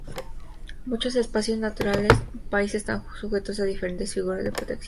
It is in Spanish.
Muchos espacios naturales del país están sujetos a diferentes figuras de protección.